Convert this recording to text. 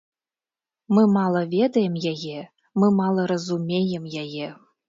Мы мала ведаем яе, мы мала разумеем яе.